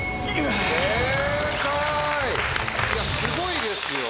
すごいですよ。